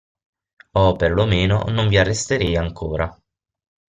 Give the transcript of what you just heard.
O, per lo meno, non vi arresterei ancora.